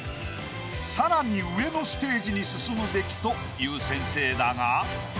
さらに上のステージに進むべきという先生だが。